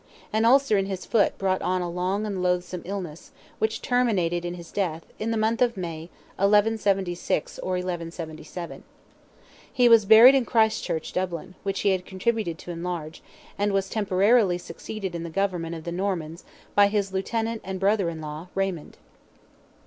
An ulcer in his foot brought on a long and loathsome illness, which terminated in his death, in the month of May, 1176, or 1177. He was buried in Christ Church, Dublin, which he had contributed to enlarge, and was temporarily succeeded in the government of the Normans by his lieutenant and brother in law, Raymond.